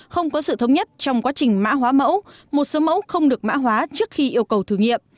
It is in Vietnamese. không có sự thống nhất trong quá trình mã hóa mẫu một số mẫu không được mã hóa trước khi yêu cầu thử nghiệm